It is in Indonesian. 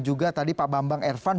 ya pak bambang